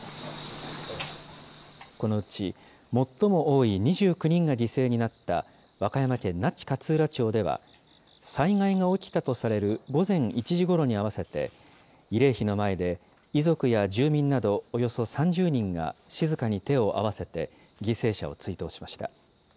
このうち、最も多い２９人が犠牲になった和歌山県那智勝浦町では、災害が起きたとされる午前１時ごろに合わせて、慰霊碑の前で、遺族や住民などおよそ３０人が静かに手を合わせて、犠牲者を追悼しました。